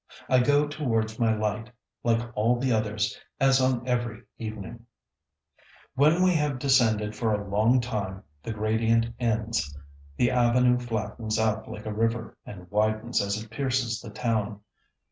I go towards my light, like all the others, as on every evening. When we have descended for a long time the gradient ends, the avenue flattens out like a river, and widens as it pierces the town.